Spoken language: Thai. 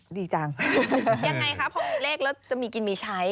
ยังไงคะเพราะมีเลขแล้วจะมีกินมีใช้